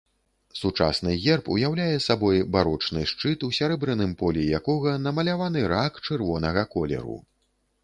Сучасны герб уяўляе сабой барочны шчыт, у сярэбраным полі якога намаляваны рак чырвонага колеру.